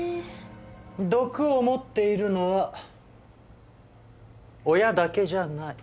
毒を持っているのは親だけじゃない。